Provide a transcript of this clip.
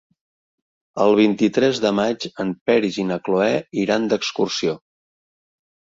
El vint-i-tres de maig en Peris i na Cloè iran d'excursió.